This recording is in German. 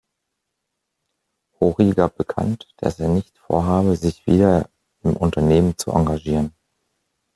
Horie gab bekannt, dass er nicht vorhabe, sich wieder im Unternehmen zu engagieren.